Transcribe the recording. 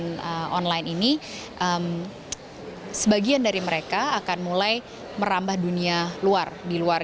dan online ini sebagian dari mereka akan mulai merambah dunia luar